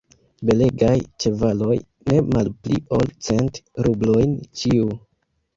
Belegaj ĉevaloj, ne malpli ol cent rublojn ĉiu!